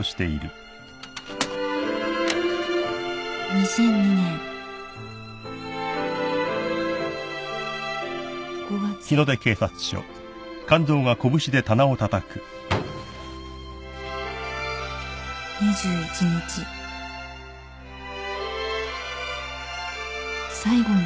「２００２年５月２１日」「最後に。